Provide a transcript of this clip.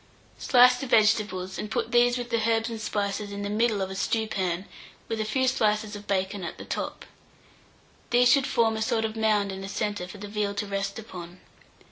Slice the vegetables, and put these, with the herbs and spices, in the middle of a stewpan, with a few slices of bacon at the top: these should form a sort of mound in the centre for the veal to rest upon.